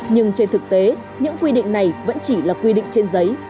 nhưng trên thực tế những quy định này vẫn chỉ là quy định trên giấy